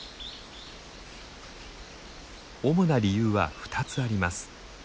主な理由は２つあります。